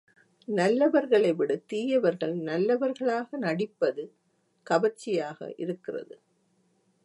நல்லவர்களைவிட தீயவர்கள் நல்லவர்களாக நடிப்பது, கவர்ச்சியாக இருக்கிறது.